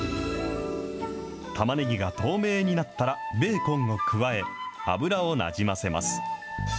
たまねぎが透明になったらベーコンを加え、油をなじませます。